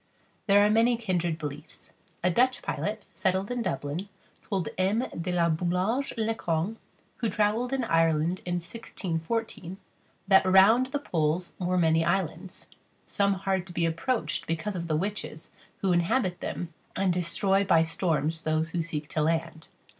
There are many kindred beliefs. A Dutch pilot, settled in Dublin, told M. De La Boullage Le Cong, who travelled in Ireland in 1614, that round the poles were many islands; some hard to be approached because of the witches who inhabit them and destroy by storms those who seek to land.